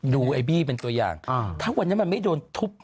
ไอ้บี้เป็นตัวอย่างถ้าวันนั้นมันไม่โดนทุบ